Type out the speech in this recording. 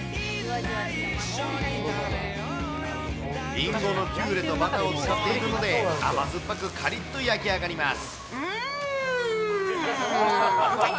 リンゴのピューレとバターを使っているので、甘酸っぱく、かりっと焼き上がります。